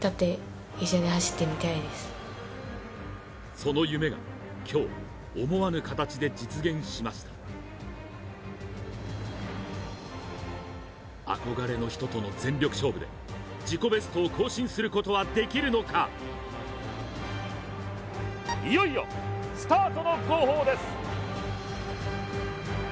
その夢が今日思わぬ形で実現しました憧れの人との全力勝負で自己ベストを更新することはできるのかいよいよスタートの号砲です